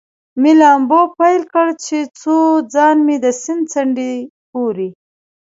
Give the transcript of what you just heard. مې لامبو پیل کړ، څو چې ځان مې د سیند څنډې پورې.